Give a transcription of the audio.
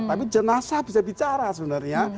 tapi jenazah bisa bicara sebenarnya